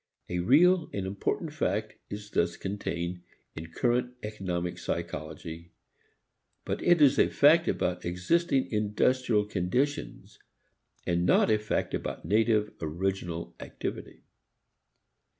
A real and important fact is thus contained in current economic psychology, but it is a fact about existing industrial conditions and not a fact about native, original activity.